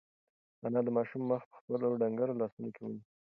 انا د ماشوم مخ په خپلو ډنگرو لاسونو کې ونیو.